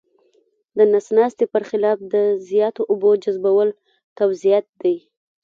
د نس ناستي پر خلاف د زیاتو اوبو جذبول قبضیت دی.